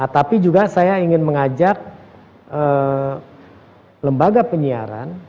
tapi juga saya ingin mengajak lembaga penyiaran